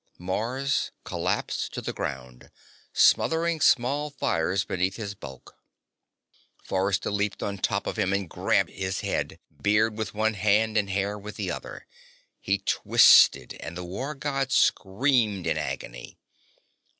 Mars collapsed to the ground, smothering small fires beneath his bulk. Forrester leaped on top of him and grabbed his head, beard with one hand and hair with the other. He twisted and the War God screamed in agony.